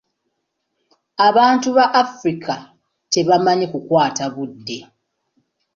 Abantu ba Afirika tebamanyi kukwata budde.